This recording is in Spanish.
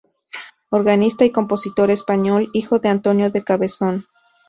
Organista y compositor español, hijo de Antonio de Cabezón.